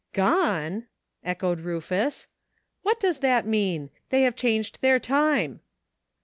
"Gone!" echoed Rufus ; "what does that mean ? They have changed their time."